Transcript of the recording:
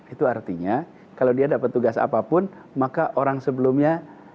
itu artinya kalau dia dapat tugas apapun maka orang sebelumnya